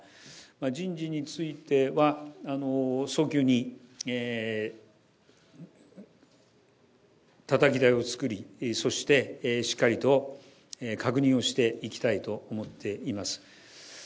人事については、早急にたたき台を作り、そしてしっかりと確認をしていきたいと思っています。